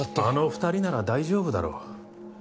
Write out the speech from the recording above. あの２人なら大丈夫だろう。